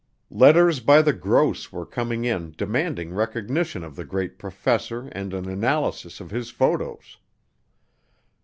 Letters by the gross were coming in demanding recognition of the great professor and an analysis of his photos.